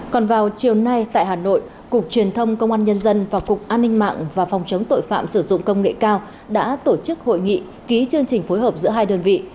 còn vào chiều nay tại hà nội cục truyền thông công an nhân dân và cục an ninh mạng và phòng chống tội phạm sử dụng công nghệ cao đã tổ chức hội nghị ký chương trình phối hợp giữa hai đơn vị